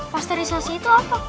pasteurisasi itu apa